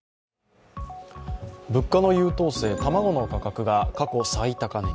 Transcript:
物価の優等生、卵の価格が過去最高値に。